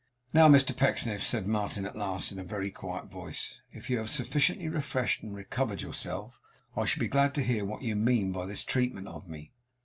'Now, Mr Pecksniff,' said Martin at last, in a very quiet voice, 'if you have sufficiently refreshed and recovered yourself, I shall be glad to hear what you mean by this treatment of me.